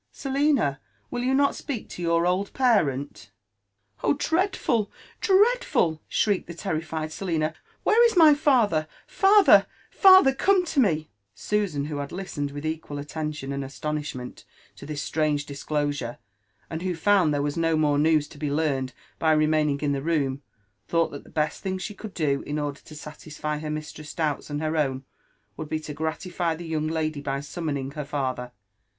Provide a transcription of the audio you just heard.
Selina ! will you not speak to your old parent ?''_ ^^H LIFE AND ADVENTURES OF '* Ob, dreadful I dreadful !" shrieked the terrified Selina. ''Where is my father? — Father ! father ! come to md I'' Susao; who had liatened with equal attentioo and astonishmenl to this strange disclosure, and who found there was no more news to be learned by remaining in the room, thought that the best thing she could do in order to satisfy her mistress's doubts and her. own, would be to gratify the young lady by suoomoniog her father.